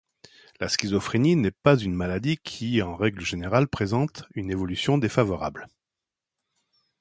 La schizophrénie n'est pas une maladie qui en règle générale présente une évolution défavorable.